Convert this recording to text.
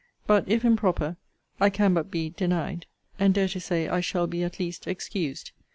But, if improper, I can but be denied; and dare to say I shall be at least excused.